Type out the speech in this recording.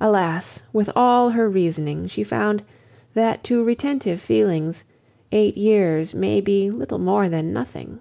Alas! with all her reasoning, she found, that to retentive feelings eight years may be little more than nothing.